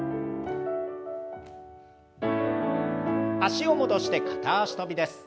脚を戻して片脚跳びです。